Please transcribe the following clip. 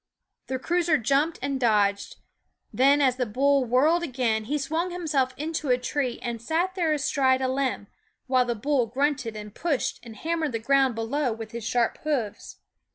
The cruiser jumped and dodged; then, as the bull whirled again, he swung himself into a tree, and sat there astride a limb, while the bull grunted and pushed and hammered the ground below with his sharp hoofs.